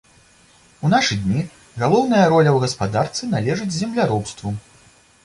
У нашы дні галоўная роля ў гаспадарцы належыць земляробству.